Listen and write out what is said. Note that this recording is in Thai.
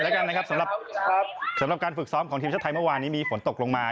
ย้อนถามหน่อยแล้วกันนะครับสำหรับการฝึกซ้อมของทีมชาติไทยเมื่อวานนี้มีฝนตกลงมา